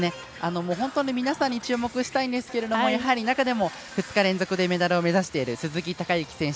皆さんに注目したいんですけど中でも２日連続でメダルを目指している鈴木孝幸選手。